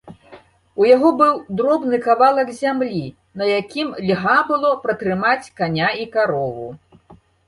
У яго быў дробны кавалак зямлі, на якім льга было пратрымаць каня і карову.